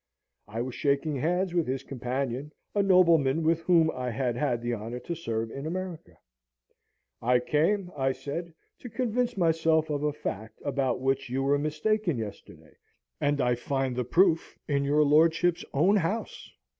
I was shaking hands with his companion, a nobleman with whom I had had the honour to serve in America. "I came," I said, "to convince myself of a fact, about which you were mistaken yesterday; and I find the proof in your lordship's own house.